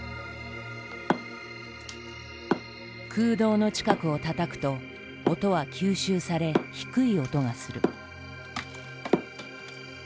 空洞の近くをたたくと音は吸収され低い音がする。